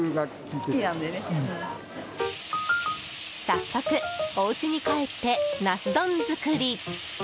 早速、おうちに帰ってナス丼作り。